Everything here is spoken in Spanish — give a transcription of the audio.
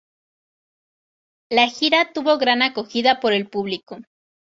La gira tuvo gran acogida por el público.